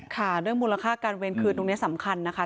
ค่ะเรื่องมูลค่าการเวรคืนตรงนี้สำคัญนะคะ